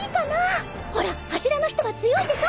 ほら柱の人は強いでしょ？